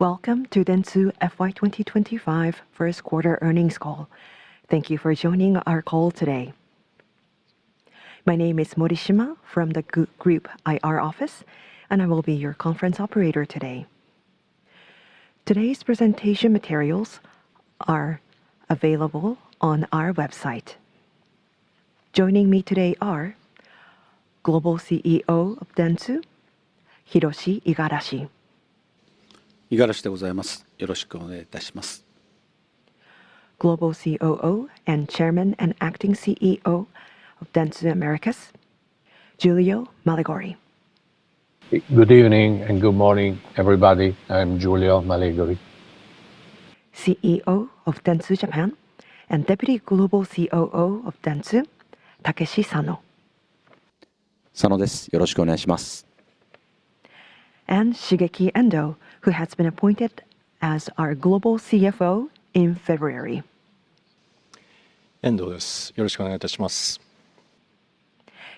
Welcome to Dentsu FY 2025 First Quarter Earnings Call. Thank you for joining our call today. My name is Morishima from the Group IR Office, and I will be your conference operator today. Today's presentation materials are available on our website. Joining me today are Global CEO of Dentsu, Hiroshi Igarashi. イガラシでございます。よろしくお願いいたします。Global COO and Chairman and Acting CEO of Dentsu Americas, Giulio Malegori. Good evening and good morning, everybody. I'm Giulio Malegori. CEO of Dentsu Japan and Deputy Global COO of Dentsu, Takeshi Sano. 佐野です。よろしくお願いします。Shigeki Endo, who has been appointed as our Global CFO in February. 遠藤です。よろしくお願いいたします。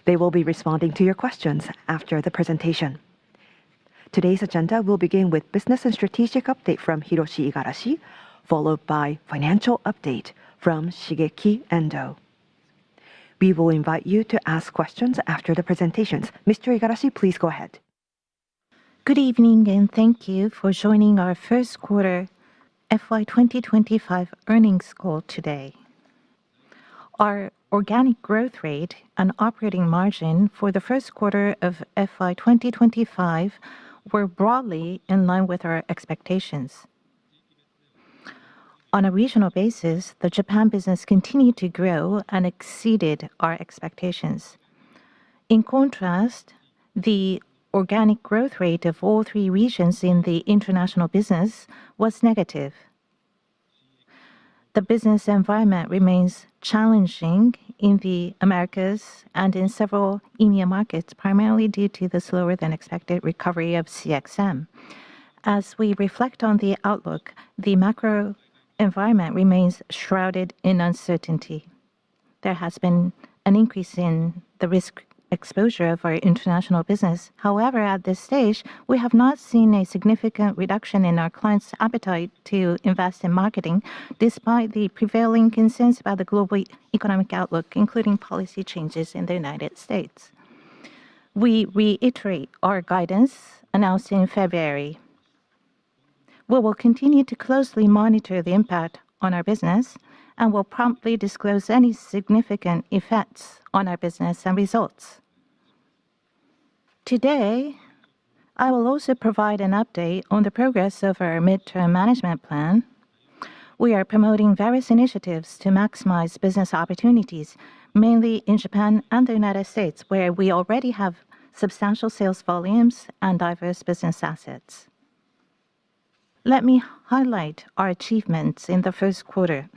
They will be responding to your questions after the presentation. Today's agenda will begin with a business and strategic update from Hiroshi Igarashi, followed by a financial update from Shigeki Endo. We will invite you to ask questions after the presentations. Mr. Igarashi, please go ahead. Good evening, and thank you for joining our First Quarter FY 2025 Earnings Call today. Our organic growth rate and operating margin for the first quarter of FY 2025 were broadly in line with our expectations. On a regional basis, the Japan business continued to grow and exceeded our expectations. In contrast, the organic growth rate of all three regions in the international business was negative. The business environment remains challenging in the Americas and in several EMEA markets, primarily due to the slower-than-expected recovery of CXM. As we reflect on the outlook, the macro environment remains shrouded in uncertainty. There has been an increase in the risk exposure of our international business. However, at this stage, we have not seen a significant reduction in our clients' appetite to invest in marketing, despite the prevailing concerns about the global economic outlook, including policy changes in the United States. We reiterate our guidance announced in February. We will continue to closely monitor the impact on our business and will promptly disclose any significant effects on our business and results. Today, I will also provide an update on the progress of our midterm management plan. We are promoting various initiatives to maximize business opportunities, mainly in Japan and the United States, where we already have substantial sales volumes and diverse business assets. Let me highlight our achievements in the first quarter.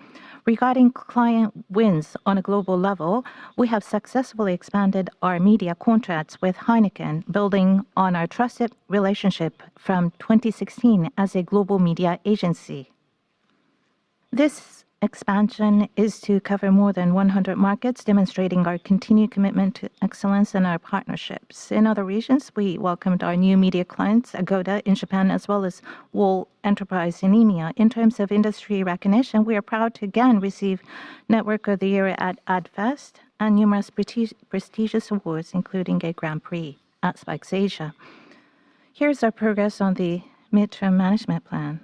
Regarding client wins on a global level, we have successfully expanded our media contracts with Heineken, building on our trusted relationship from 2016 as a global media agency. This expansion is to cover more than 100 markets, demonstrating our continued commitment to excellence in our partnerships. In other regions, we welcomed our new media clients, Agoda in Japan, as well as Woolworths in EMEA. In terms of industry recognition, we are proud to again receive Network of the year at AdFest and numerous prestigious awards, including a Grand Prix at Spikes Asia. Here's our progress on the midterm management plan.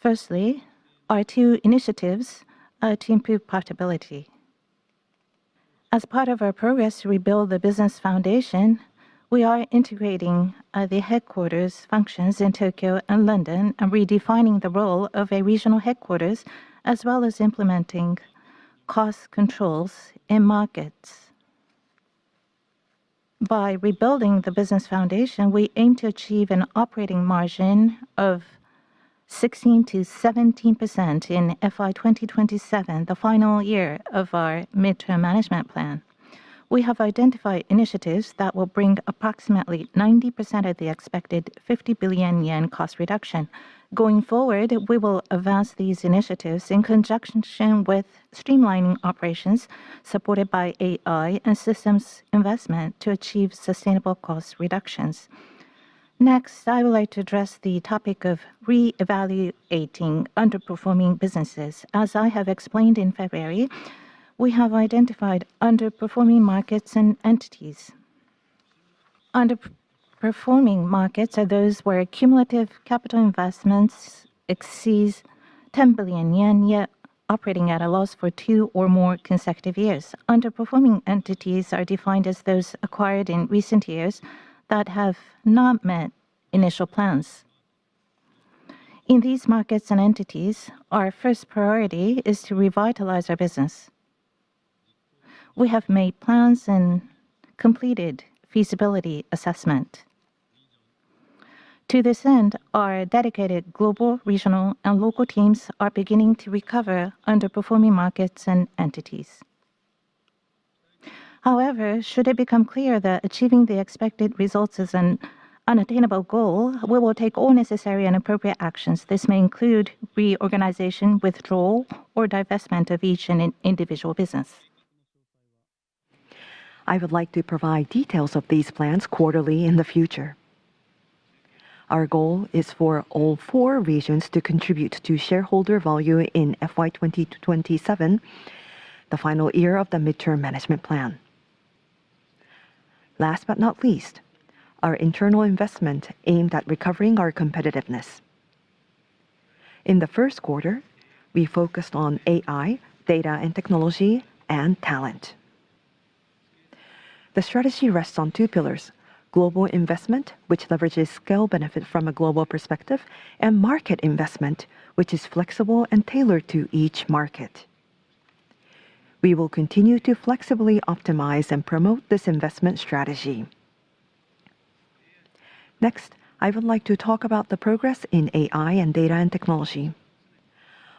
Firstly, our two initiatives are to improve profitability. As part of our progress to rebuild the business foundation, we are integrating the headquarters functions in Tokyo and London, redefining the role of a regional headquarters, as well as implementing cost controls in markets. By rebuilding the business foundation, we aim to achieve an operating margin of 16%-17% in FY 2027, the final year of our midterm management plan. We have identified initiatives that will bring approximately 90% of the expected 50 billion yen cost reduction. Going forward, we will advance these initiatives in conjunction with streamlining operations supported by AI and systems investment to achieve sustainable cost reductions. Next, I would like to address the topic of reevaluating underperforming businesses. As I have explained in February, we have identified underperforming markets and entities. Underperforming markets are those where cumulative capital investments exceed 10 billion yen, yet operating at a loss for two or more consecutive years. Underperforming entities are defined as those acquired in recent years that have not met initial plans. In these markets and entities, our first priority is to revitalize our business. We have made plans and completed feasibility assessment. To this end, our dedicated global, regional, and local teams are beginning to recover underperforming markets and entities. However, should it become clear that achieving the expected results is an unattainable goal, we will take all necessary and appropriate actions. This may include reorganization, withdrawal, or divestment of each individual business. I would like to provide details of these plans quarterly in the future. Our goal is for all four regions to contribute to shareholder value in FY 2027, the final year of the midterm management plan. Last but not least, our internal investment aimed at recovering our competitiveness. In the first quarter, we focused on AI, data and technology, and talent. The strategy rests on two pillars: global investment, which leverages scale benefit from a global perspective, and market investment, which is flexible and tailored to each market. We will continue to flexibly optimize and promote this investment strategy. Next, I would like to talk about the progress in AI and data and technology.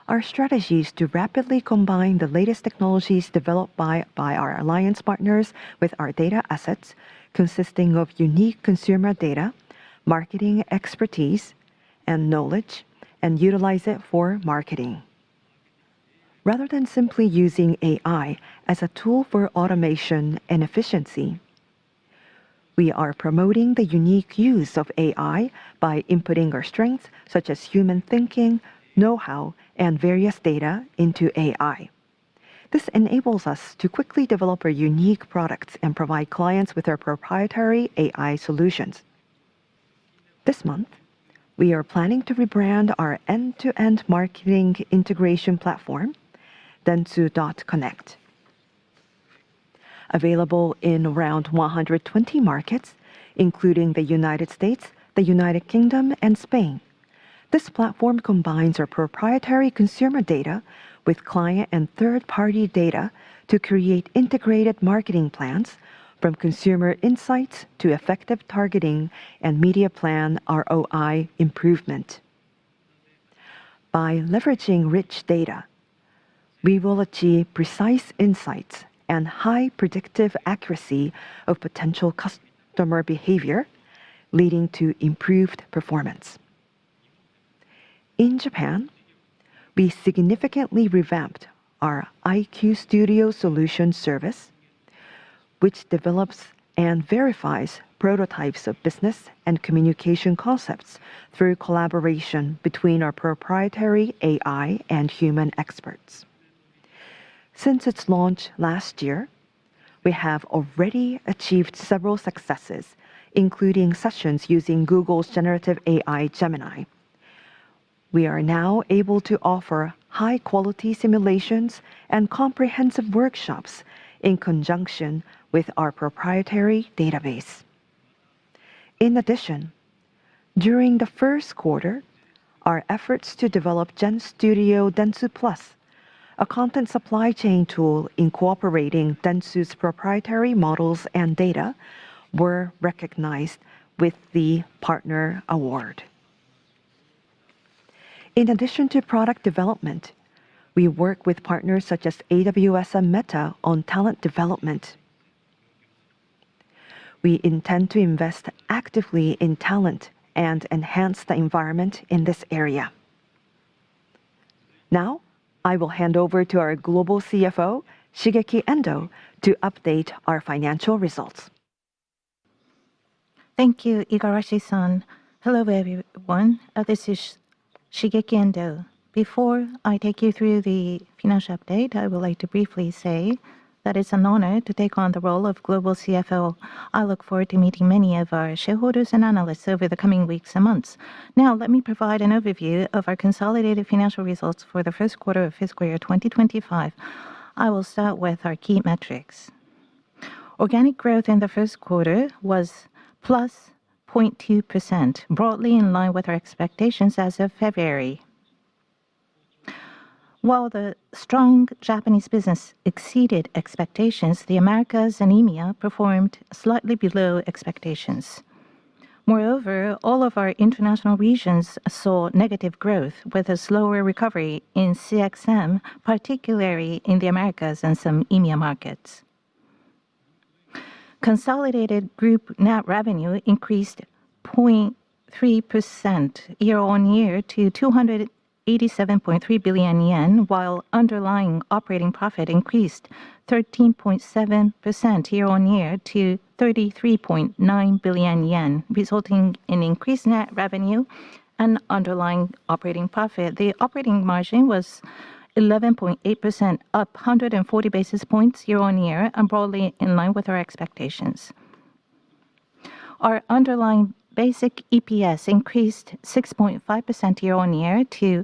Our strategy is to rapidly combine the latest technologies developed by our alliance partners with our data assets, consisting of unique consumer data, marketing expertise, and knowledge, and utilize it for marketing. Rather than simply using AI as a tool for automation and efficiency, we are promoting the unique use of AI by inputting our strengths, such as human thinking, know-how, and various data, into AI. This enables us to quickly develop our unique products and provide clients with our proprietary AI solutions. This month, we are planning to rebrand our end-to-end marketing integration platform, Dentsu dot Connect. Available in around 120 markets, including the United States, the United Kingdom, and Spain, this platform combines our proprietary consumer data with client and third-party data to create integrated marketing plans, from consumer insights to effective targeting and media plan ROI improvement. By leveraging rich data, we will achieve precise insights and high predictive accuracy of potential customer behavior, leading to improved performance. In Japan, we significantly revamped our IQ Studio Solution service, which develops and verifies prototypes of business and communication concepts through collaboration between our proprietary AI and human experts. Since its launch last year, we have already achieved several successes, including sessions using Google's generative AI, Gemini. We are now able to offer high-quality simulations and comprehensive workshops in conjunction with our proprietary database. In addition, during the first quarter, our efforts to develop Dentsu Studio, Dentsu Plus, a content supply chain tool incorporating Dentsu's proprietary models and data, were recognized with the partner award. In addition to product development, we work with partners such as AWS and Meta on talent development. We intend to invest actively in talent and enhance the environment in this area. Now, I will hand over to our Global CFO, Shigeki Endo, to update our financial results. Thank you, Igarashi-san. Hello, everyone. This is Shigeki Endo. Before I take you through the financial update, I would like to briefly say that it's an honor to take on the role of Global CFO. I look forward to meeting many of our shareholders and analysts over the coming weeks and months. Now, let me provide an overview of our consolidated financial results for the first quarter of fiscal year 2025. I will start with our key metrics. Organic growth in the first quarter was +0.2%, broadly in line with our expectations as of February. While the strong Japanese business exceeded expectations, the Americas and EMEA performed slightly below expectations. Moreover, all of our international regions saw negative growth, with a slower recovery in CXM, particularly in the Americas and some EMEA markets. Consolidated Group net revenue increased 0.3% year-on-year to 287.3 billion yen, while underlying operating profit increased 13.7% year-on-year to 33.9 billion yen, resulting in increased net revenue and underlying operating profit. The operating margin was 11.8%, up 140 basis points year-on-year, and broadly in line with our expectations. Our underlying basic EPS increased 6.5% year-on-year to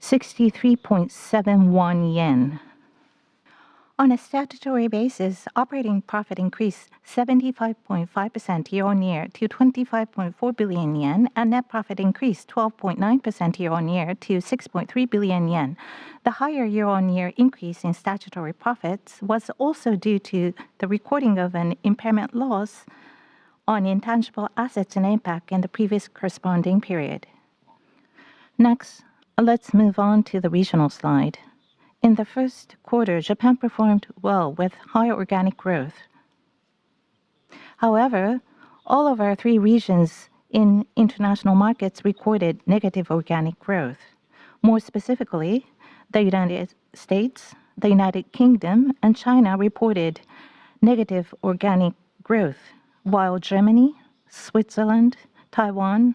63.71 yen. On a statutory basis, operating profit increased 75.5% year-on-year to 25.4 billion yen, and net profit increased 12.9% year-on-year to 6.3 billion yen. The higher year-on-year increase in statutory profits was also due to the recording of an impairment loss on intangible assets and impact in the previous corresponding period. Next, let's move on to the regional slide. In the first quarter, Japan performed well with high organic growth. However, all of our three regions in international markets recorded negative organic growth. More specifically, the United States, the United Kingdom., and China reported negative organic growth, while Germany, Switzerland, Taiwan,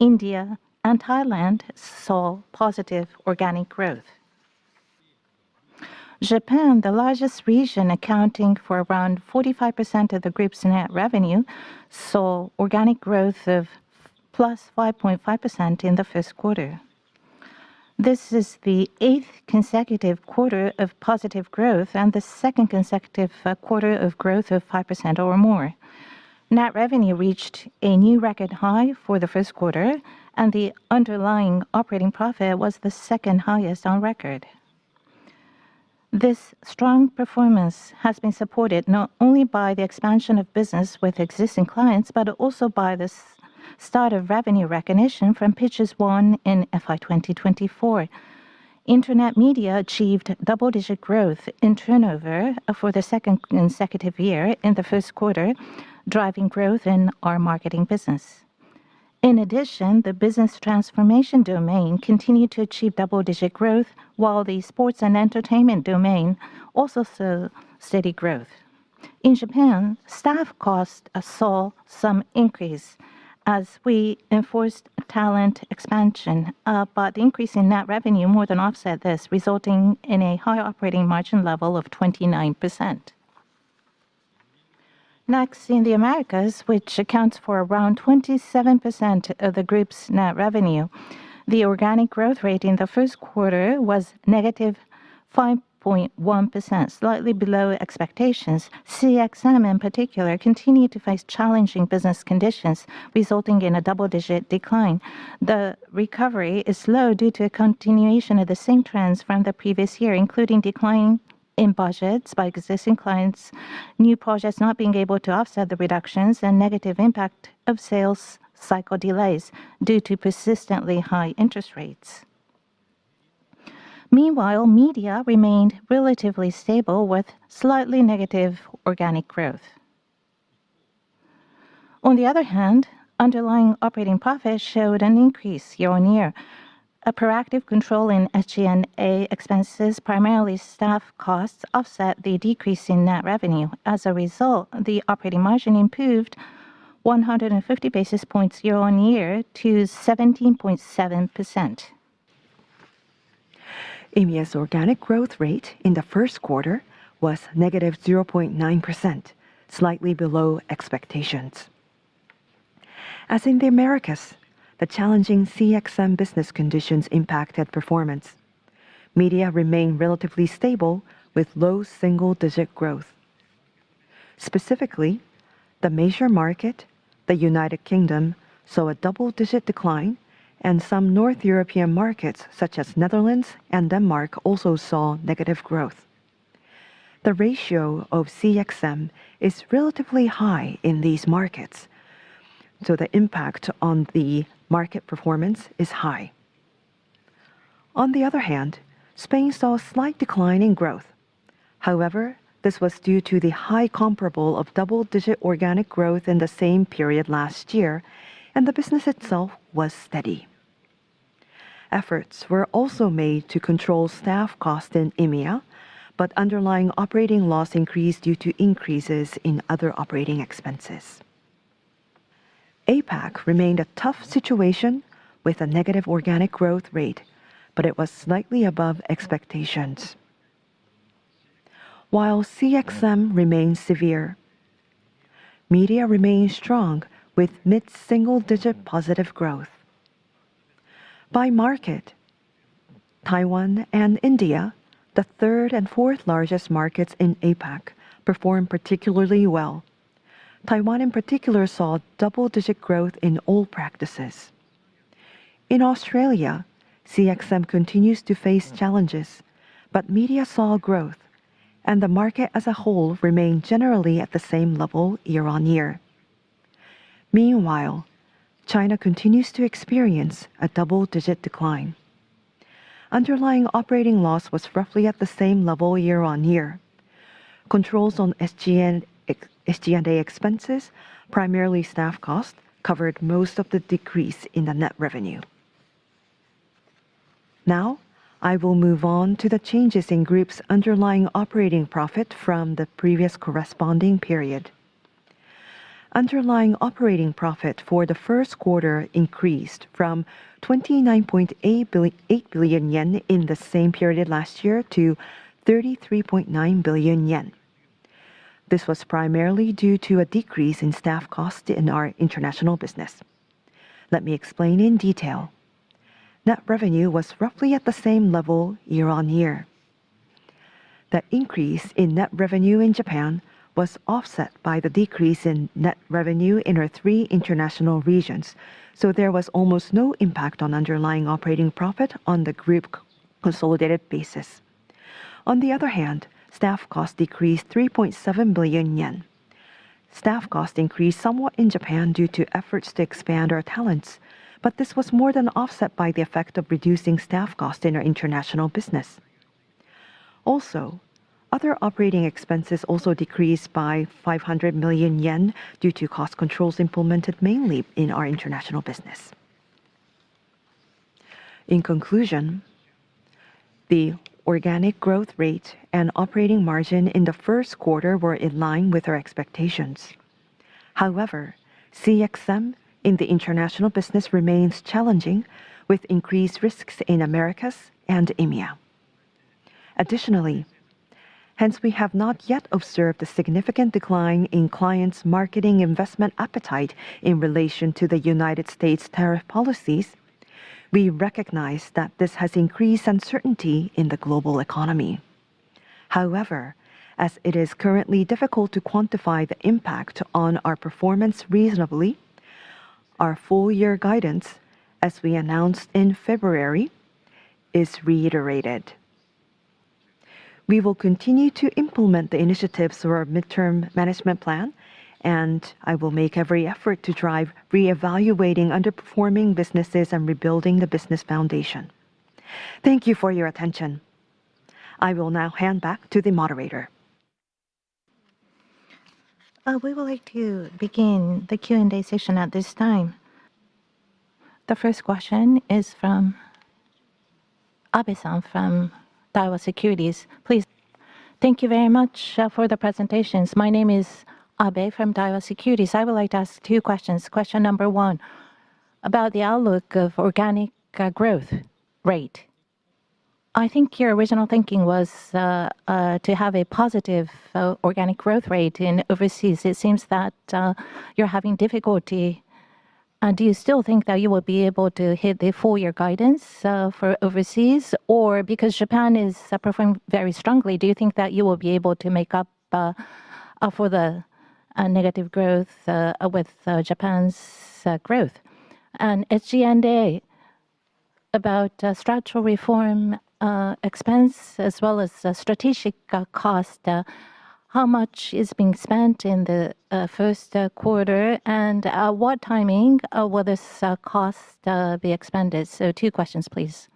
India, and Thailand saw positive organic growth. Japan, the largest region accounting for around 45% of the group's net revenue, saw organic growth of +5.5% in the first quarter. This is the eighth consecutive quarter of positive growth and the second consecutive quarter of growth of 5% or more. Net revenue reached a new record high for the first quarter, and the underlying operating profit was the second highest on record. This strong performance has been supported not only by the expansion of business with existing clients, but also by the start of revenue recognition from pitches won in FY 2024. Internet media achieved double-digit growth in turnover for the second consecutive year in the first quarter, driving growth in our marketing business. In addition, the business transformation domain continued to achieve double-digit growth, while the sports and entertainment domain also saw steady growth. In Japan, staff cost saw some increase as we enforced talent expansion, but the increase in net revenue more than offset this, resulting in a high operating margin level of 29%. Next, in the Americas, which accounts for around 27% of the group's net revenue, the organic growth rate in the first quarter was negative 5.1%, slightly below expectations. CXM, in particular, continued to face challenging business conditions, resulting in a double-digit decline. The recovery is slow due to a continuation of the same trends from the previous year, including declining in budgets by existing clients, new projects not being able to offset the reductions, and negative impact of sales cycle delays due to persistently high interest rates. Meanwhile, media remained relatively stable with slightly negative organic growth. On the other hand, underlying operating profit showed an increase year-on-year. A proactive control in SG&A expenses, primarily staff costs, offset the decrease in net revenue. As a result, the operating margin improved 150 basis points year-on-year to 17.7%. EMEA's organic growth rate in the first quarter was negative 0.9%, slightly below expectations. As in the Americas, the challenging CXM business conditions impacted performance. Media remained relatively stable with low single-digit growth. Specifically, the major market, the United Kingdom, saw a double-digit decline, and some North European markets such as Netherlands and Denmark also saw negative growth. The ratio of CXM is relatively high in these markets, so the impact on the market performance is high. On the other hand, Spain saw a slight decline in growth. However, this was due to the high comparable of double-digit organic growth in the same period last year, and the business itself was steady. Efforts were also made to control staff cost in EMEA, but underlying operating loss increased due to increases in other operating expenses. APAC remained a tough situation with a negative organic growth rate, but it was slightly above expectations. While CXM remained severe, media remained strong with mid-single-digit positive growth. By market, Taiwan and India, the third and fourth largest markets in APAC, performed particularly well. Taiwan, in particular, saw double-digit growth in all practices. In Australia, CXM continues to face challenges, but media saw growth, and the market as a whole remained generally at the same level year-on-year. Meanwhile, China continues to experience a double-digit decline. Underlying operating loss was roughly at the same level year-on-year. Controls on SG&A expenses, primarily staff cost, covered most of the decrease in the net revenue. Now, I will move on to the changes in group's underlying operating profit from the previous corresponding period. Underlying operating profit for the first quarter increased from 29.8 billion in the same period last year to 33.9 billion yen. This was primarily due to a decrease in staff cost in our international business. Let me explain in detail. Net revenue was roughly at the same level year-on-year. The increase in net revenue in Japan was offset by the decrease in net revenue in our three international regions, so there was almost no impact on underlying operating profit on the group consolidated basis. On the other hand, staff cost decreased 3.7 billion yen. Staff cost increased somewhat in Japan due to efforts to expand our talents, but this was more than offset by the effect of reducing staff cost in our international business. Also, other operating expenses also decreased by 500 million yen due to cost controls implemented mainly in our international business. In conclusion, the organic growth rate and operating margin in the first quarter were in line with our expectations. However, CXM in the international business remains challenging with increased risks in Americas and EMEA. Additionally, while we have not yet observed a significant decline in clients' marketing investment appetite in relation to the United States tariff policies, we recognize that this has increased uncertainty in the global economy. However, as it is currently difficult to quantify the impact on our performance reasonably, our full-year guidance, as we announced in February, is reiterated. We will continue to implement the initiatives through our midterm management plan, and I will make every effort to drive re-evaluating underperforming businesses and rebuilding the business foundation. Thank you for your attention.I will now hand back to the moderator. We would like to begin the Q&A session at this time. The first question is from Abe-san from Daiwa Securities. Please. Thank you very much for the presentations. My name is Abe from Daiwa Securities. I would like to ask two questions. Question number one, about the outlook of organic growth rate. I think your original thinking was to have a positive organic growth rate in overseas. It seems that you're having difficulty. Do you still think that you will be able to hit the full-year guidance for overseas? Because Japan is performing very strongly, do you think that you will be able to make up for the negative growth with Japan's growth? SG&A, about structural reform expense, as well as strategic cost, how much is being spent in the first quarter, and what timing will this cost be expended? Two questions, please.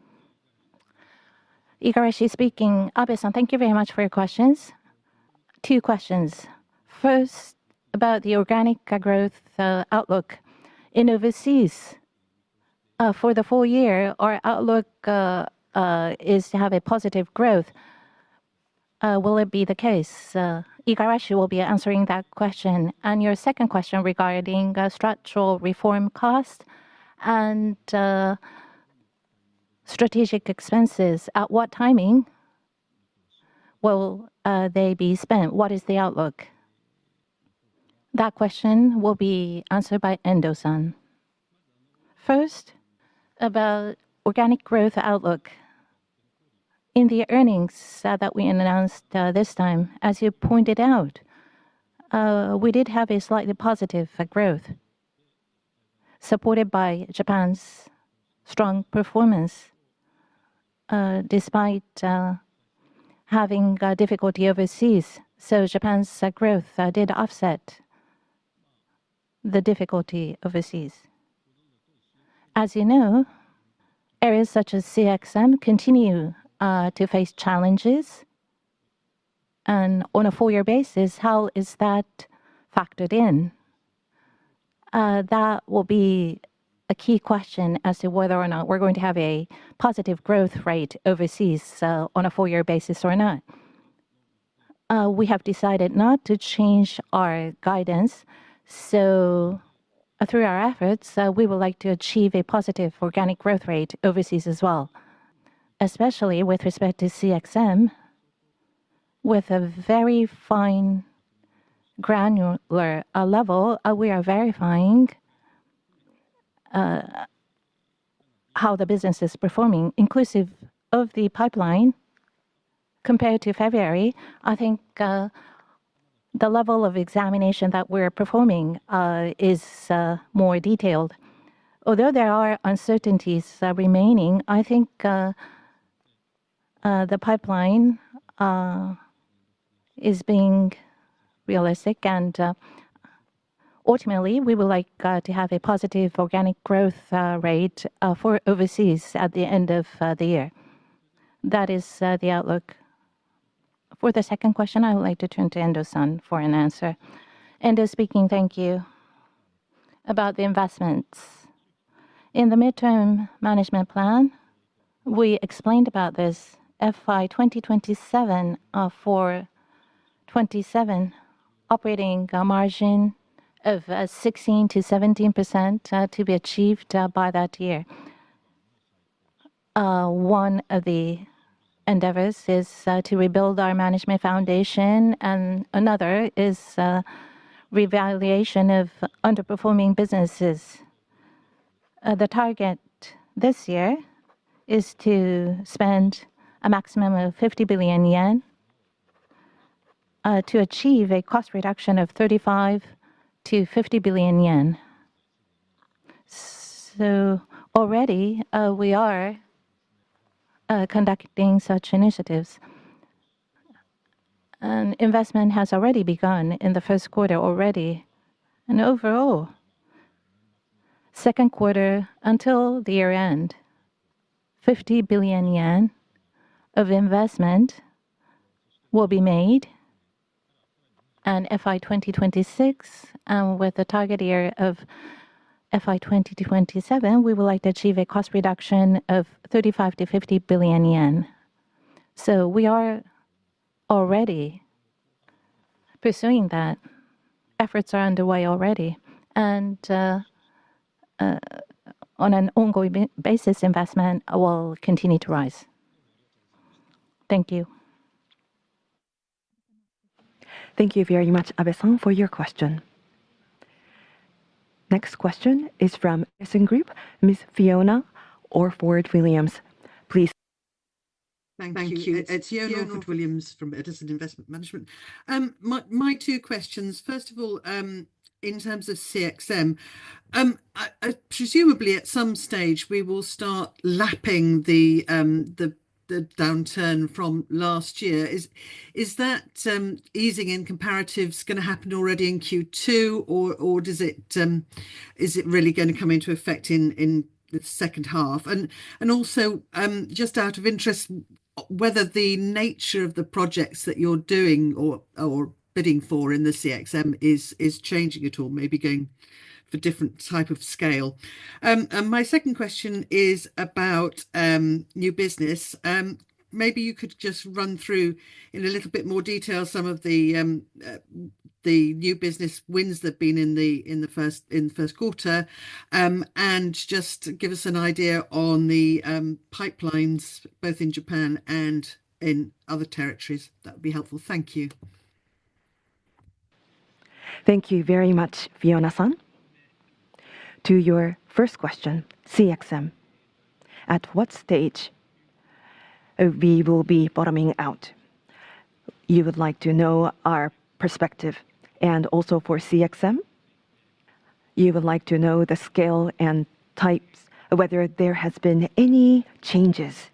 Igarashi speaking. Abe-san, thank you very much for your questions. Two questions. First, about the organic growth outlook. In overseas, for the full year, our outlook is to have a positive growth. Will it be the case? Igarashi will be answering that question. Your second question regarding structural reform cost and strategic expenses, at what timing will they be spent? What is the outlook? That question will be answered by Endo-san. First, about organic growth outlook. In the earnings that we announced this time, as you pointed out, we did have a slightly positive growth supported by Japan's strong performance despite having difficulty overseas. Japan's growth did offset the difficulty overseas. As you know, areas such as CXM continue to face challenges, and on a full-year basis, how is that factored in? That will be a key question as to whether or not we're going to have a positive growth rate overseas on a full-year basis or not. We have decided not to change our guidance, so through our efforts, we would like to achieve a positive organic growth rate overseas as well. Especially with respect to CXM, with a very fine granular level, we are verifying how the business is performing, inclusive of the pipeline. Compared to February, I think the level of examination that we're performing is more detailed. Although there are uncertainties remaining, I think the pipeline is being realistic, and ultimately, we would like to have a positive organic growth rate for overseas at the end of the year. That is the outlook. For the second question, I would like to turn to Endo-san for an answer. Endo speaking, thank you. About the investments. In the midterm management plan, we explained about this. Fiscal year 2027, operating margin of 16-17% to be achieved by that year. One of the endeavors is to rebuild our management foundation, and another is revaluation of underperforming businesses. The target this year is to spend a maximum of 50 billion yen to achieve a cost reduction of 35 to 50 billion. Already, we are conducting such initiatives. Investment has already begun in the first quarter already. Overall, second quarter until the year end, 50 billion yen of investment will be made. In FY 2026, and with the target year of FY 2027, we would like to achieve a cost reduction of 35 to 50 billion. We are already pursuing that. Efforts are underway already. On an ongoing basis, investment will continue to rise. Thank you. Thank you very much, Abe-san, for your question. Next question is from Edison Group, Ms. Fiona Orford Williams. Please. Thank you. Thank you. It's Fiona Oxford Williiams from Edison Investment Management. My two questions. First of all, in terms of CXM, presumably at some stage, we will start lapping the downturn from last year. Is that easing in comparatives going to happen already in Q2, or is it really going to come into effect in the second half? Also, just out of interest, whether the nature of the projects that you're doing or bidding for in the CXM is changing at all, maybe going for different type of scale. My second question is about new business. Maybe you could just run through in a little bit more detail some of the new business wins that have been in the first quarter, and just give us an idea on the pipelines, both in Japan and in other territories. That would be helpful. Thank you. Thank you very much, Fiona-san. To your first question, CXM, at what stage we will be bottoming out? You would like to know our perspective. Also for CXM, you would like to know the scale and types, whether there have been any changes.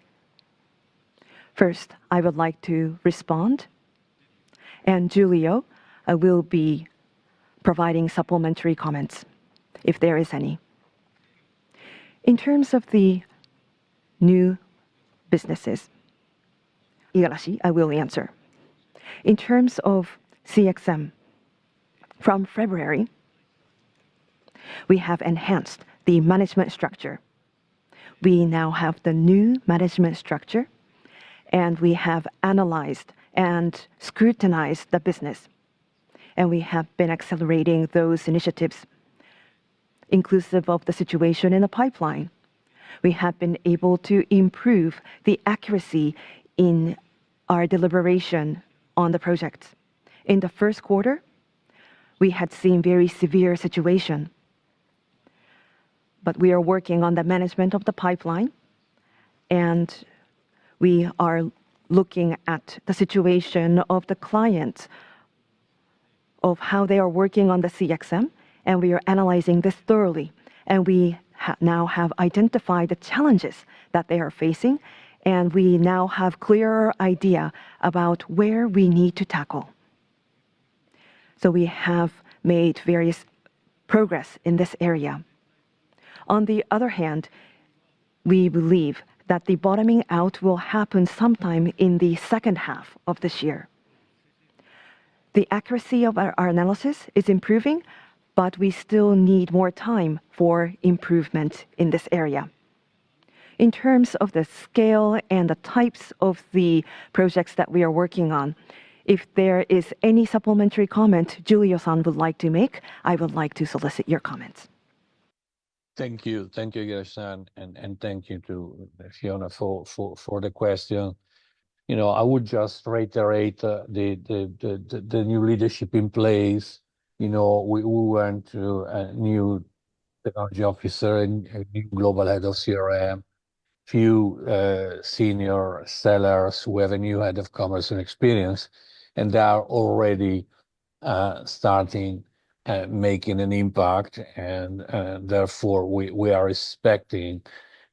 First, I would like to respond, and Giulio will be providing supplementary comments if there is any. In terms of the new businesses, Igarashi, I will answer. In terms of CXM, from February, we have enhanced the management structure. We now have the new management structure, and we have analyzed and scrutinized the business. We have been accelerating those initiatives, inclusive of the situation in the pipeline. We have been able to improve the accuracy in our deliberation on the projects. In the first quarter, we had seen a very severe situation, but we are working on the management of the pipeline, and we are looking at the situation of the client, of how they are working on the CXM, and we are analyzing this thoroughly. We now have identified the challenges that they are facing, and we now have a clearer idea about where we need to tackle. We have made various progress in this area. On the other hand, we believe that the bottoming out will happen sometime in the second half of this year. The accuracy of our analysis is improving, but we still need more time for improvement in this area. In terms of the scale and the types of the projects that we are working on, if there is any supplementary comment Giulio-san would like to make, I would like to solicit your comments. Thank you. Thank you, Igarashi-san, and thank you to Fiona for the question. I would just reiterate the new leadership in place. We want a new technology officer, a new global head of CRM, a few senior sellers who have a new head of commerce and experience, and they are already starting making an impact. Therefore, we are expecting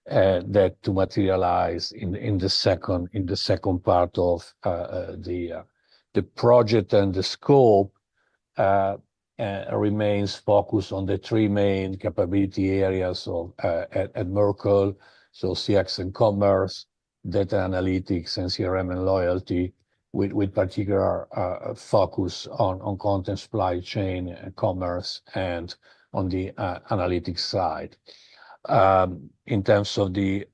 that to materialize in the second part of the project, and the scope remains focused on the three main capability areas at Merkle, so CX and commerce, data analytics, and CRM and loyalty, with particular focus on content supply chain and commerce and on the analytics side. In terms of the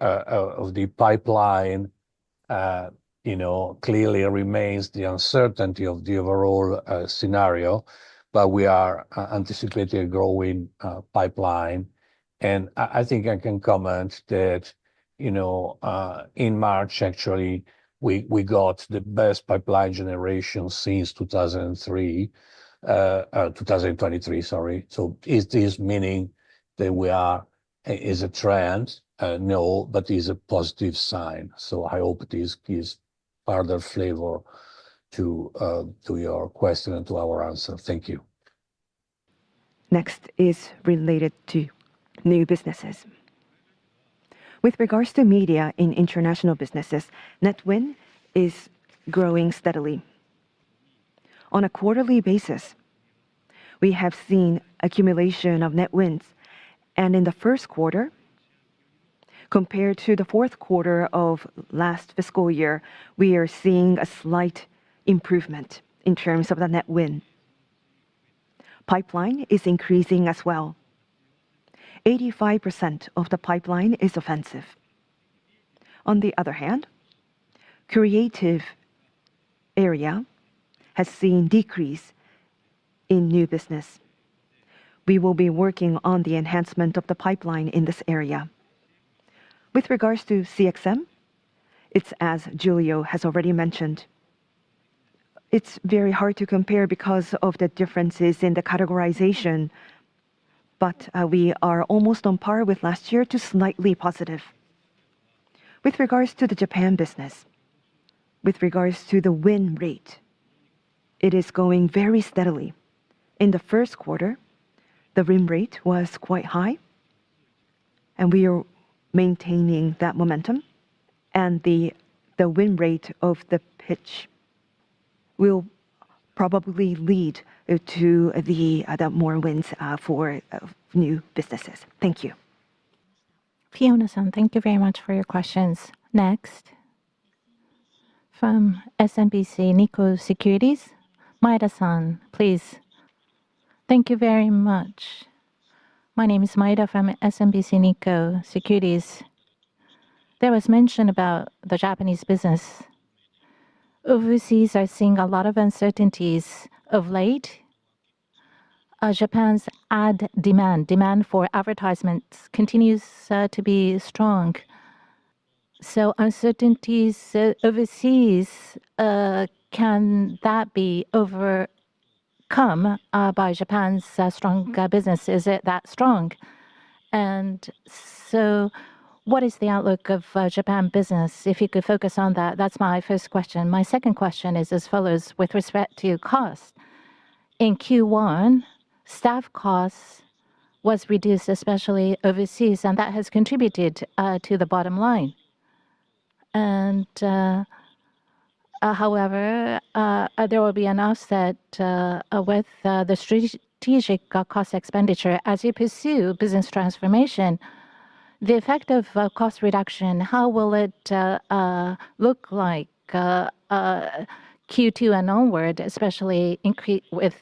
pipeline, clearly remains the uncertainty of the overall scenario, but we are anticipating a growing pipeline. I think I can comment that in March, actually, we got the best pipeline generation since 2003, 2023 sorry. Is this meaning that we are in a trend? No, but it is a positive sign. I hope this gives further flavor to your question and to our answer. Thank you. Next is related to new businesses. With regards to media in international businesses, net win is growing steadily. On a quarterly basis, we have seen accumulation of net wins. In the first quarter, compared to the fourth quarter of last fiscal year, we are seeing a slight improvement in terms of the net win. Pipeline is increasing as well. 85% of the pipeline is offensive. On the other hand, creative area has seen a decrease in new business. We will be working on the enhancement of the pipeline in this area. With regards to CXM, it's as Giulio has already mentioned. It's very hard to compare because of the differences in the categorization, but we are almost on par with last year to slightly positive. With regards to the Japan business, with regards to the win rate, it is going very steadily. In the first quarter, the win rate was quite high, and we are maintaining that momentum. The win rate of the pitch will probably lead to more wins for new businesses. Thank you. Fiona-san, thank you very much for your questions. Next, from SMBC Nikko Securities, Maeda-san, please. Thank you very much. My name is Maeda from SMBC Nikko Securities. There was mention about the Japanese business. Overseas, I've seen a lot of uncertainties of late. Japan's ad demand, demand for advertisements, continues to be strong. Uncertainties overseas, can that be overcome by Japan's strong business? Is it that strong? What is the outlook of Japan business if you could focus on that? That's my first question. My second question is as follows: with respect to cost, in Q1, staff costs were reduced, especially overseas, and that has contributed to the bottom line. However, there will be an offset with the strategic cost expenditure. As you pursue business transformation, the effect of cost reduction, how will it look like Q2 and onward, especially with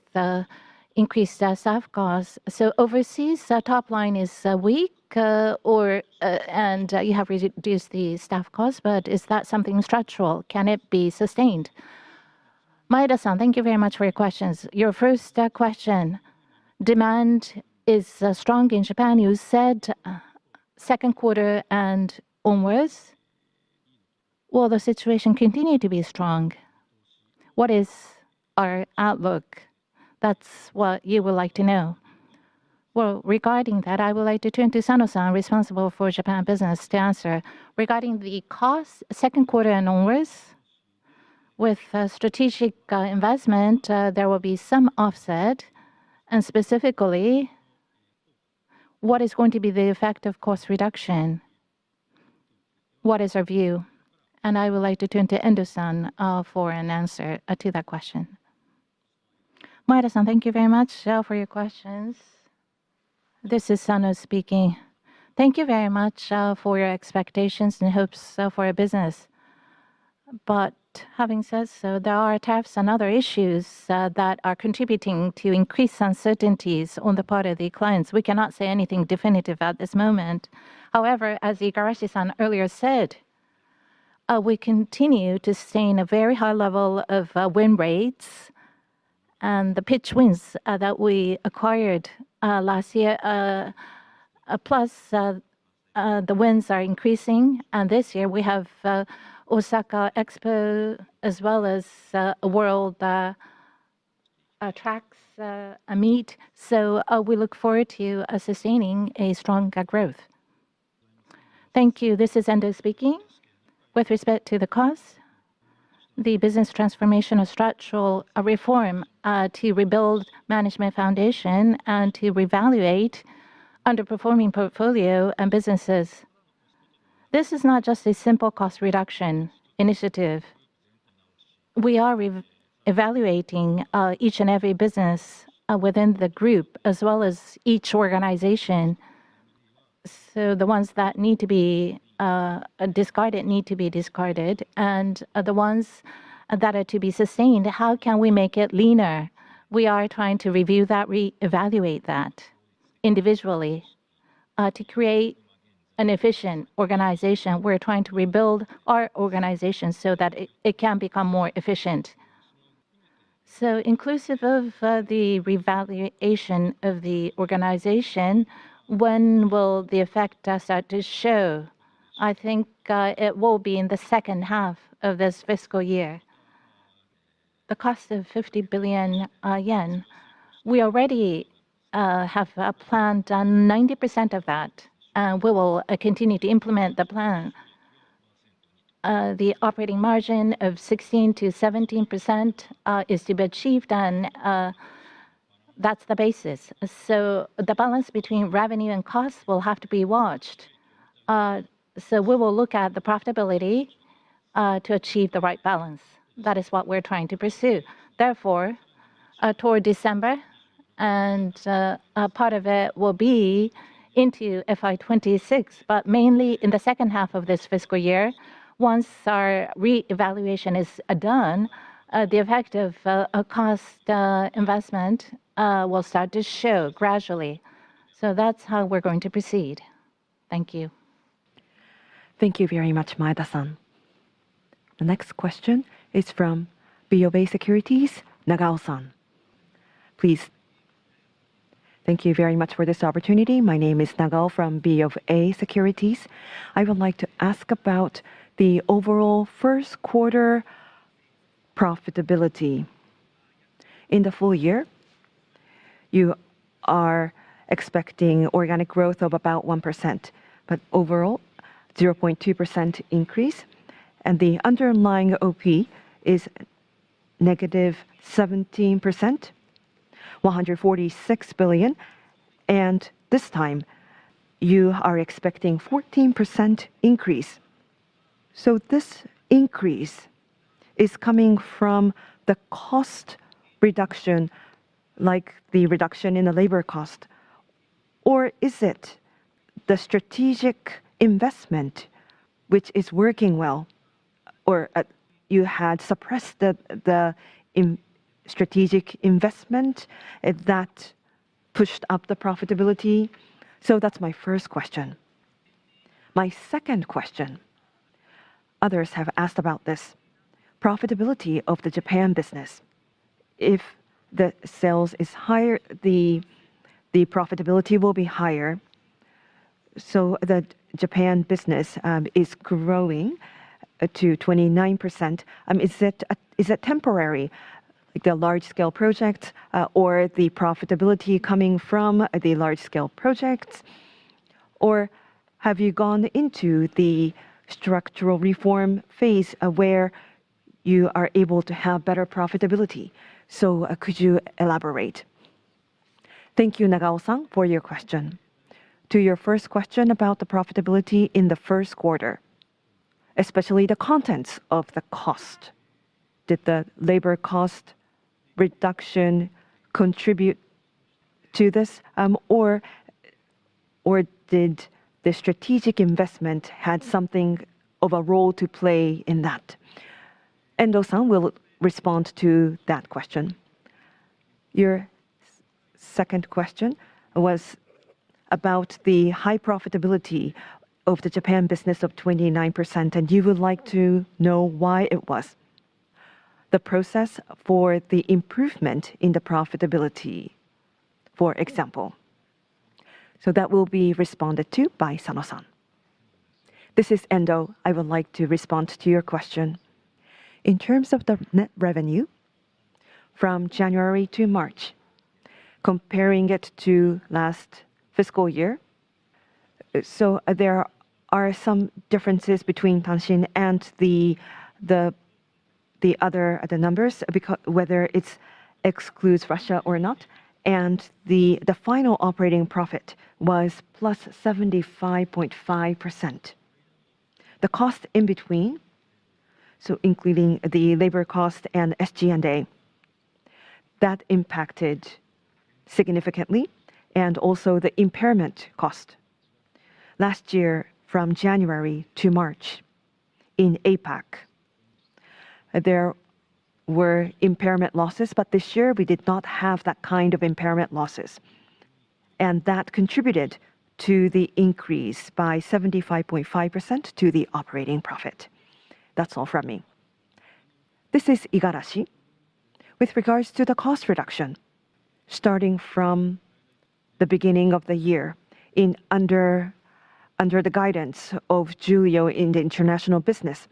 increased staff costs? Overseas, the top line is weak, and you have reduced the staff costs, but is that something structural? Can it be sustained? Maeda-san, thank you very much for your questions. Your first question: demand is strong in Japan. You said second quarter and onwards. Will the situation continue to be strong? What is our outlook? That is what you would like to know. Regarding that, I would like to turn to Sano-san, responsible for Japan business, to answer. Regarding the cost, second quarter and onwards, with strategic investment, there will be some offset. Specifically, what is going to be the effect of cost reduction? What is our view? I would like to turn to Endo-san for an answer to that question. Maeda-san, thank you very much for your questions. This is Sano speaking. Thank you very much for your expectations and hopes for our business. Having said so, there are tariffs and other issues that are contributing to increased uncertainties on the part of the clients. We cannot say anything definitive at this moment. However, as Igarashi-san earlier said, we continue to sustain a very high level of win rates. The pitch wins that we acquired last year, plus the wins are increasing. This year, we have Osaka Expo, as well as World Tracks Meet. We look forward to sustaining strong growth. Thank you. This is Endo speaking. With respect to the cost, the business transformation of structural reform to rebuild management foundation and to revaluate underperforming portfolio and businesses. This is not just a simple cost reduction initiative. We are evaluating each and every business within the group, as well as each organization. The ones that need to be discarded need to be discarded. The ones that are to be sustained, how can we make it leaner? We are trying to review that, reevaluate that individually to create an efficient organization. We're trying to rebuild our organization so that it can become more efficient. Inclusive of the revaluation of the organization, when will the effect start to show? I think it will be in the second half of this fiscal year. The cost of 50 billion yen, we already have planned 90% of that, and we will continue to implement the plan. The operating margin of 16%-17% is to be achieved, and that's the basis. The balance between revenue and cost will have to be watched. We will look at the profitability to achieve the right balance. That is what we're trying to pursue. Therefore, toward December, and part of it will be into FY 2026, but mainly in the second half of this fiscal year. Once our reevaluation is done, the effect of cost investment will start to show gradually. That is how we are going to proceed. Thank you. Thank you very much, Maeda-san. The next question is from BOV Securities, Nagao-san. Please. Thank you very much for this opportunity. My name is Nagao from BOV Securities. I would like to ask about the overall first quarter profitability. In the full year, you are expecting organic growth of about 1%, but overall, 0.2% increase. And the underlying OP is negative 17%, 146 billion. This time, you are expecting a 14% increase. This increase is coming from the cost reduction, like the reduction in the labor cost, or is it the strategic investment which is working well, or you had suppressed the strategic investment that pushed up the profitability? That is my first question. My second question, others have asked about this: profitability of the Japan business. If the sales is higher, the profitability will be higher. The Japan business is growing to 29%. Is it temporary, the large-scale projects, or the profitability coming from the large-scale projects? Or have you gone into the structural reform phase where you are able to have better profitability? Could you elaborate? Thank you, Nagao-san, for your question. To your first question about the profitability in the first quarter, especially the contents of the cost, did the labor cost reduction contribute to this, or did the strategic investment have something of a role to play in that? Endo-san will respond to that question. Your second question was about the high profitability of the Japan business of 29%, and you would like to know why it was. The process for the improvement in the profitability, for example. That will be responded to by Sano-san. This is Endo. I would like to respond to your question. In terms of the net revenue from January to March, comparing it to last fiscal year, there are some differences between Tanshin and the other numbers, whether it excludes Russia or not. The final operating profit was +75.5%. The cost in between, including the labor cost and SG&A, impacted significantly, and also the impairment cost. Last year, from January to March in APAC, there were impairment losses, but this year, we did not have that kind of impairment losses. That contributed to the increase by 75.5% to the operating profit. That is all from me. This is Igarashi. With regards to the cost reduction, starting from the beginning of the year, under the guidance of Giulio in the international business,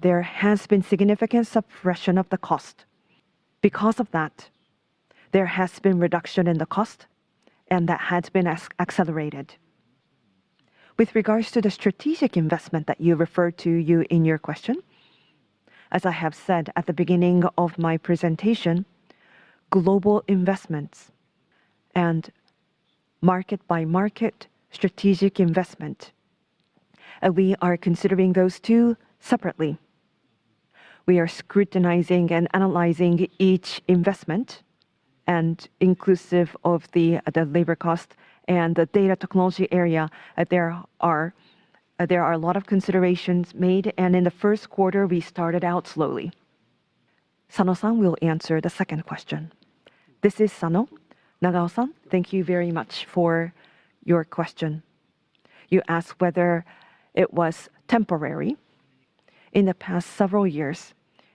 there has been significant suppression of the cost. Because of that, there has been reduction in the cost, and that has been accelerated. With regards to the strategic investment that you referred to in your question, as I have said at the beginning of my presentation, global investments and market-by-market strategic investment, we are considering those two separately. We are scrutinizing and analyzing each investment, and inclusive of the labor cost and the data technology area, there are a lot of considerations made. In the first quarter, we started out slowly. Sano-san will answer the second question. This is Sano. Nagao-san, thank you very much for your question. You asked whether it was temporary. In the past several years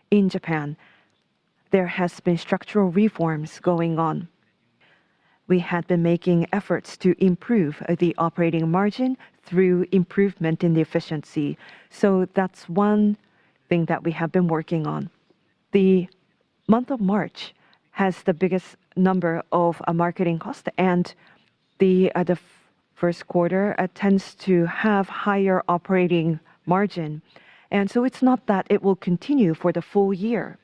in Japan, there have been structural reforms going on. We had been making efforts to improve the operating margin through improvement in the efficiency. That is one thing that we have been working on. The month of March has the biggest number of marketing costs, and the first quarter tends to have a higher operating margin. It is not that it will continue for the full year.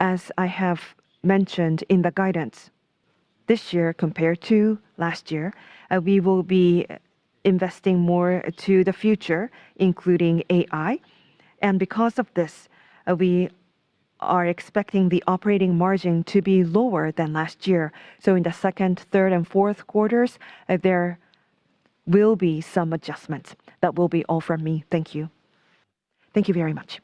As I have mentioned in the guidance, this year compared to last year, we will be investing more to the future, including AI. Because of this, we are expecting the operating margin to be lower than last year. In the second, third, and fourth quarters, there will be some adjustments. That will be all from me. Thank you. Thank you very much.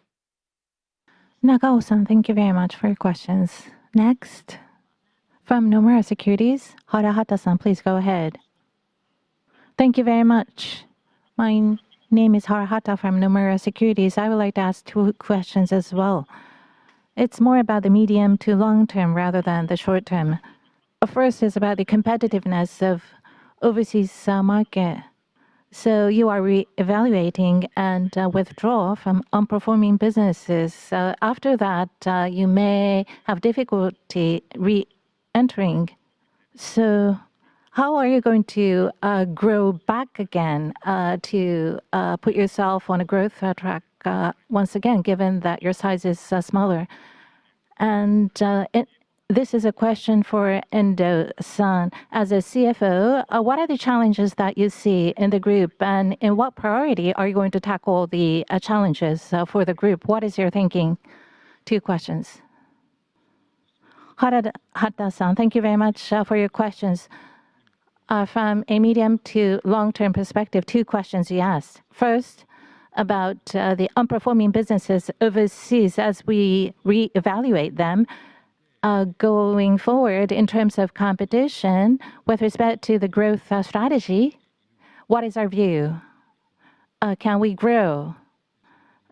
Nagao-san, thank you very much for your questions. Next, from Nomura Securities, Hara Hata-san, please go ahead. Thank you very much. My name is Hara Hata from Nomura Securities. I would like to ask two questions as well. It is more about the medium to long term rather than the short term. First is about the competitiveness of the overseas market. You are reevaluating and withdrawing from underperforming businesses. After that, you may have difficulty re-entering. How are you going to grow back again to put yourself on a growth track once again, given that your size is smaller? This is a question for Endo-san. As a CFO, what are the challenges that you see in the group, and in what priority are you going to tackle the challenges for the group? What is your thinking? Two questions. Hara Hata-san, thank you very much for your questions. From a medium to long-term perspective, two questions you asked. First, about the underperforming businesses overseas as we reevaluate them going forward in terms of competition with respect to the growth strategy. What is our view? Can we grow?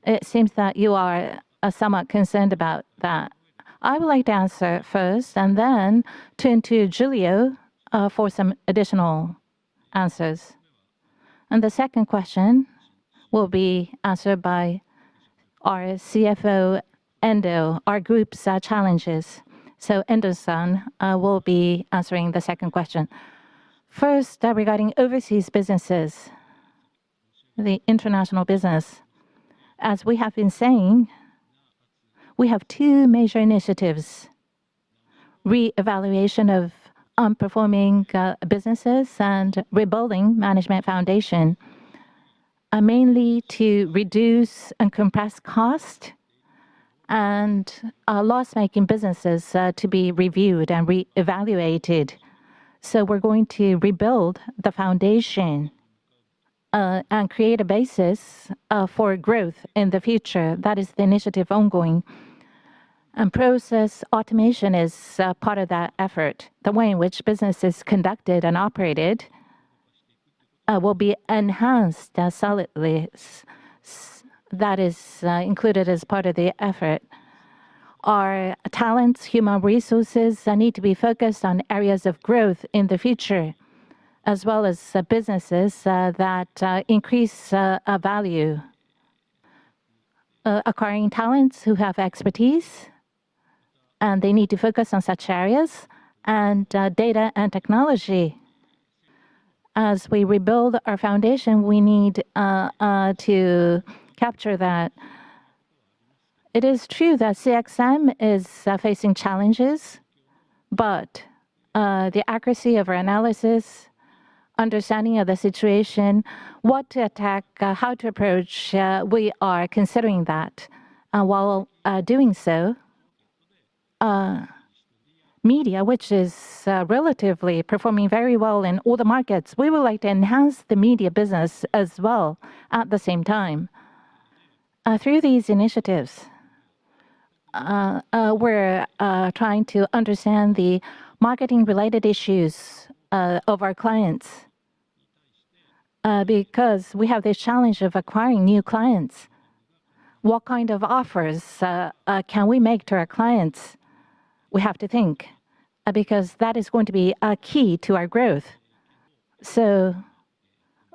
It seems that you are somewhat concerned about that. I would like to answer first, and then turn to Giulio for some additional answers. The second question will be answered by our CFO, Endo. Our group's challenges. Endo-san will be answering the second question. First, regarding overseas businesses, the international business. As we have been saying, we have two major initiatives: reevaluation of underperforming businesses and rebuilding management foundation, mainly to reduce and compress cost, and loss-making businesses to be reviewed and reevaluated. We are going to rebuild the foundation and create a basis for growth in the future. That is the initiative ongoing. Process automation is part of that effort. The way in which business is conducted and operated will be enhanced solidly. That is included as part of the effort. Our talents, human resources need to be focused on areas of growth in the future, as well as businesses that increase value. Acquiring talents who have expertise, and they need to focus on such areas and data and technology. As we rebuild our foundation, we need to capture that. It is true that CXM is facing challenges, but the accuracy of our analysis, understanding of the situation, what to attack, how to approach, we are considering that. While doing so, media, which is relatively performing very well in all the markets, we would like to enhance the media business as well at the same time. Through these initiatives, we're trying to understand the marketing-related issues of our clients. Because we have this challenge of acquiring new clients, what kind of offers can we make to our clients? We have to think, because that is going to be a key to our growth.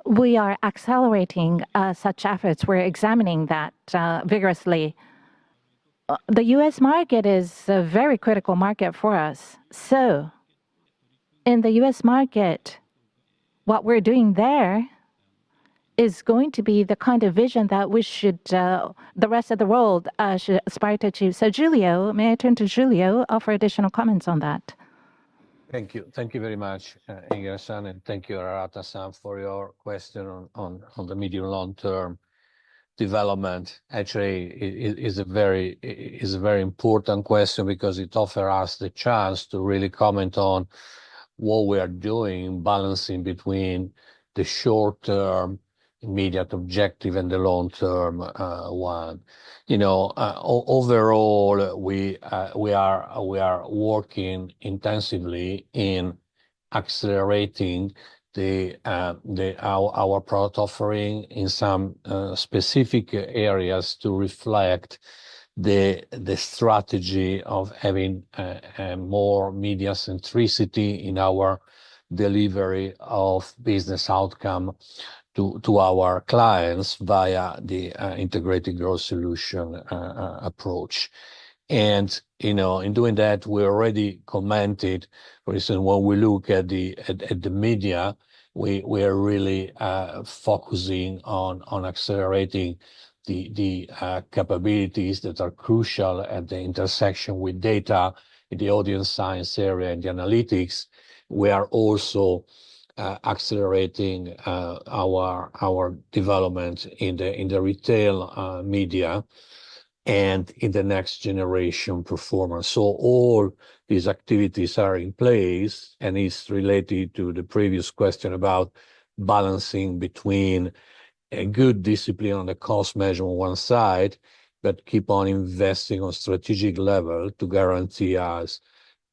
We are accelerating such efforts. We are examining that vigorously. The U.S. market is a very critical market for us. In the U.S. market, what we are doing there is going to be the kind of vision that the rest of the world should aspire to achieve. Giulio, may I turn to Giulio for additional comments on that? Thank you. Thank you very much, Igarashi-san, and thank you, Hara Hata-san, for your question on the medium-long-term development. Actually, it is a very important question because it offers us the chance to really comment on what we are doing, balancing between the short-term immediate objective and the long-term one. Overall, we are working intensively in accelerating our product offering in some specific areas to reflect the strategy of having more media centricity in our delivery of business outcome to our clients via the integrated growth solution approach. In doing that, we already commented, for instance, when we look at the media, we are really focusing on accelerating the capabilities that are crucial at the intersection with data in the audience science area and the analytics. We are also accelerating our development in the retail media and in the next generation performance. All these activities are in place, and it's related to the previous question about balancing between a good discipline on the cost measure on one side, but keep on investing on a strategic level to guarantee us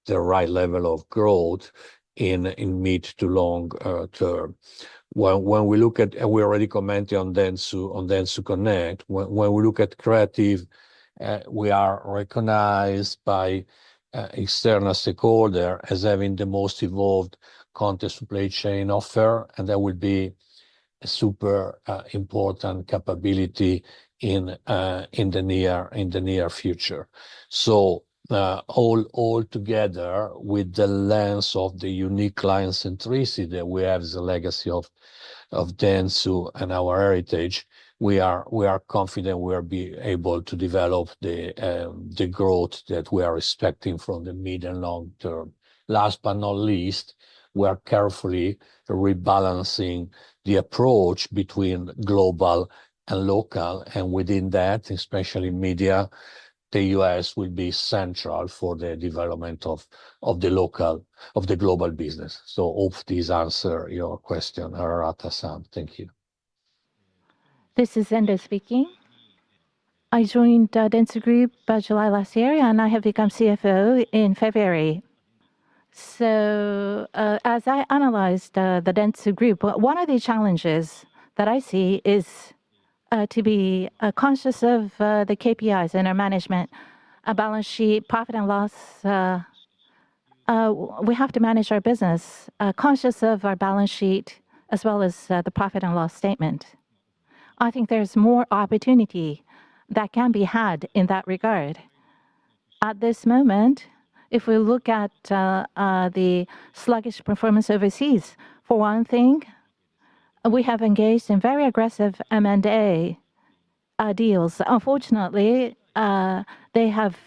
the right level of growth in mid to long term. When we look at, and we already commented on Dentsu and Dentsu Connect, when we look at creative, we are recognized by external stakeholders as having the most evolved content supply chain offer, and that will be a super important capability in the near future. Altogether, with the lens of the unique client centricity that we have as a legacy of Dentsu and our heritage, we are confident we will be able to develop the growth that we are expecting from the mid and long term. Last but not least, we are carefully rebalancing the approach between global and local, and within that, especially media, the U.S. will be central for the development of the global business. Hopefully these answer your question, Hara Hata-san. Thank you. This is Endo speaking. I joined Dentsu Group by July last year, and I have become CFO in February. As I analyzed the Dentsu Group, one of the challenges that I see is to be conscious of the KPIs in our management, a balance sheet, profit and loss. We have to manage our business conscious of our balance sheet as well as the profit and loss statement. I think there's more opportunity that can be had in that regard. At this moment, if we look at the sluggish performance overseas, for one thing, we have engaged in very aggressive M&A deals. Unfortunately, they have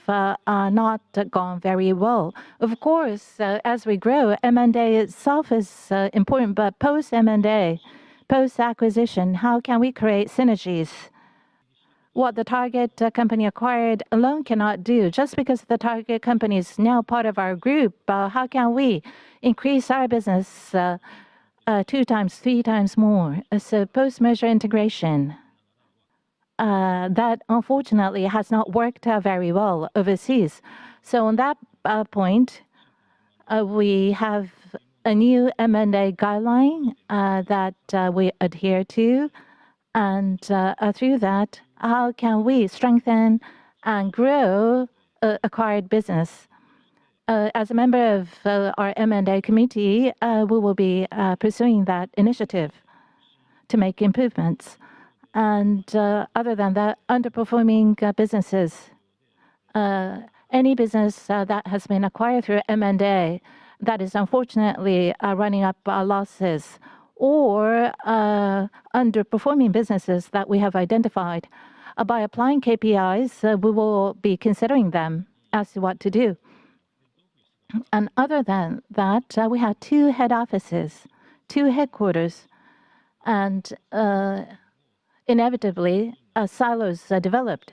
not gone very well. Of course, as we grow, M&A itself is important, but post-M&A, post-acquisition, how can we create synergies? What the target company acquired alone cannot do. Just because the target company is now part of our group, how can we increase our business two times, three times more? Post-measure integration, that unfortunately has not worked very well overseas. On that point, we have a new M&A guideline that we adhere to. Through that, how can we strengthen and grow acquired business? As a member of our M&A committee, we will be pursuing that initiative to make improvements. Other than that, underperforming businesses, any business that has been acquired through M&A that is unfortunately running up losses or underperforming businesses that we have identified, by applying KPIs, we will be considering them as to what to do. Other than that, we have two head offices, two headquarters, and inevitably, silos developed.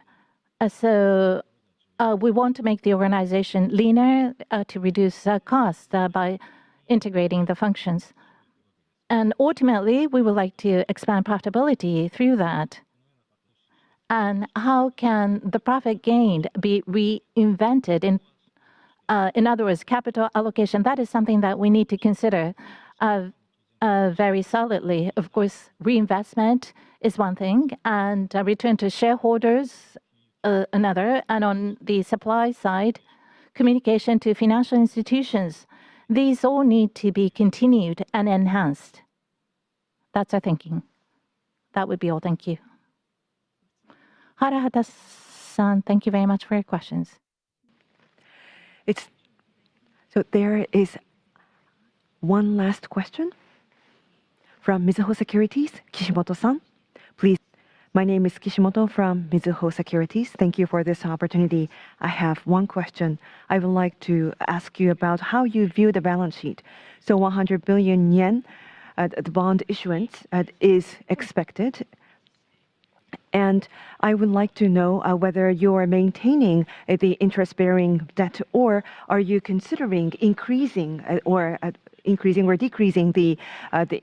We want to make the organization leaner to reduce costs by integrating the functions. Ultimately, we would like to expand profitability through that. How can the profit gained be reinvented? In other words, capital allocation, that is something that we need to consider very solidly. Of course, reinvestment is one thing, and return to shareholders another. On the supply side, communication to financial institutions, these all need to be continued and enhanced. That is our thinking. That would be all. Thank you. Hara Hata-san, thank you very much for your questions. There is one last question from Mizuho Securities, Kishimoto-san. Please. My name is Kishimoto from Mizuho Securities. Thank you for this opportunity. I have one question. I would like to ask you about how you view the balance sheet. 100 billion yen at bond issuance is expected. I would like to know whether you are maintaining the interest-bearing debt or are you considering increasing or decreasing the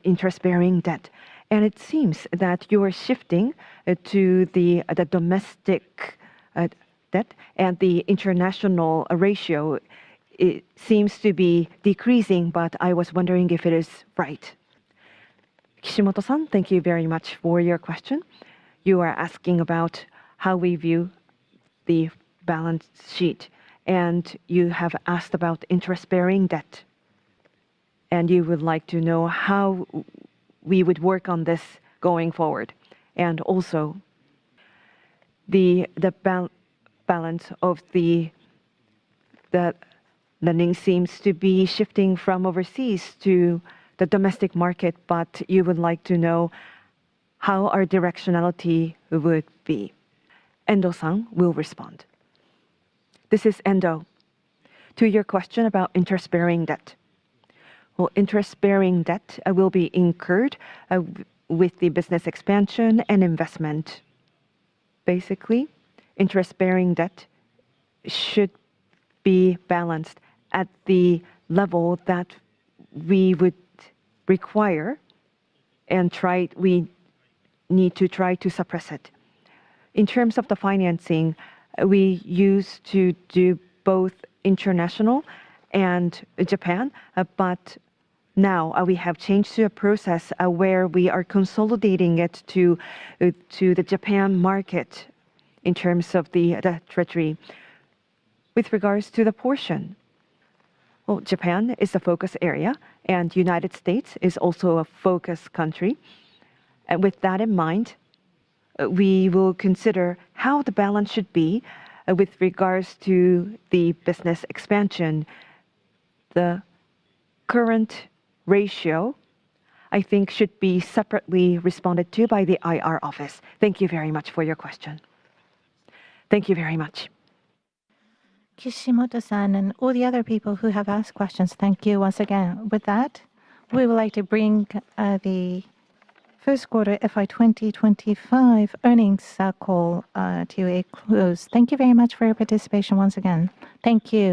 interest-bearing debt. It seems that you are shifting to the domestic debt and the international ratio seems to be decreasing, but I was wondering if it is right. Kishimoto-san, thank you very much for your question. You are asking about how we view the balance sheet, and you have asked about interest-bearing debt. You would like to know how we would work on this going forward. Also, the balance of the lending seems to be shifting from overseas to the domestic market, but you would like to know how our directionality would be. Endo-san, we'll respond. This is Endo. To your question about interest-bearing debt. Interest-bearing debt will be incurred with the business expansion and investment. Basically, interest-bearing debt should be balanced at the level that we would require and we need to try to suppress it. In terms of the financing, we used to do both international and Japan, but now we have changed to a process where we are consolidating it to the Japan market in terms of the treasury. With regards to the portion, Japan is a focus area, and the United States is also a focus country. With that in mind, we will consider how the balance should be with regards to the business expansion. The current ratio, I think, should be separately responded to by the IR office. Thank you very much for your question. Thank you very much. Kishimoto-san and all the other people who have asked questions, thank you once again. With that, we would like to bring the First Quarter FY 2025 Earnings Call to a close. Thank you very much for your participation once again. Thank you.